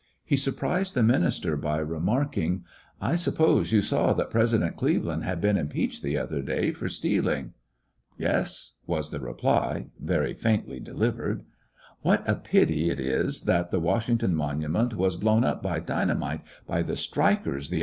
He surprised the minister by re marking : "I suppose you saw that President Cleve land had been impeached, the other day, for stealing!" "Yes," was the reply, very faintly delivered. "What a pity it is that the Washington Monument was blown up by dynamite by the strikers, the.